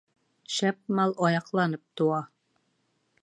Шәп мал аяҡланып тыуа.